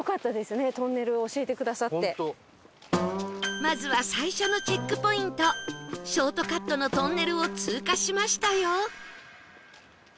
まずは最初のチェックポイントショートカットのトンネルを通過しましたよ